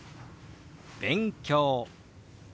「勉強」。